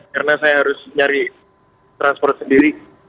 karena saya harus nyari transport sendiri